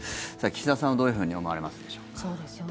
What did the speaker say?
岸田さんはどういうふうに思われますでしょうか。